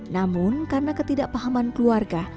namun karena ketidakpahaman keluarga